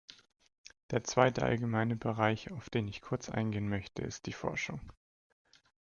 Der zweite allgemeine Bereich, auf den ich kurz eingehen möchte, ist die Forschung.